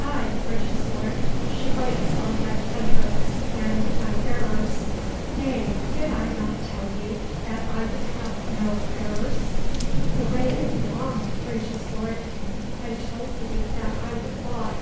"Aye, gracious lord. She waits on thy pleasure, and thy bearers " "Nay, did I not tell thee that I would have no bearers?" "The way is long, gracious lord " "I told thee that I would walk."